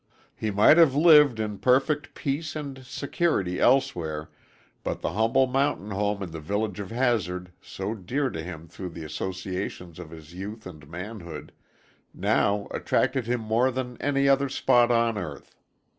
He might have lived in perfect peace and security elsewhere, but the humble mountain home in the village of Hazard, so dear to him through the associations of his youth and manhood, now attracted him more than any other spot on earth.